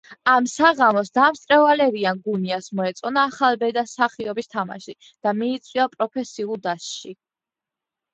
ამ საღამოს დამსწრე ვალერიან გუნიას მოეწონა ახალბედა მსახიობის თამაში და მიიწვია პროფესიულ დასში.